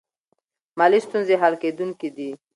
مالي ستونزې حل کیدونکې دي.